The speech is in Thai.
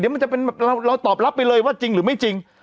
มันจะเป็นแบบเราตอบรับไปเลยว่าจริงหรือไม่จริง